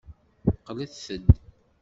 Qqlet-d.